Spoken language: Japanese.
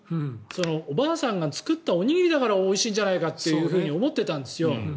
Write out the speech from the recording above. おばあさんが作ったおにぎりだからおいしいんじゃないかって思ってたんですよ。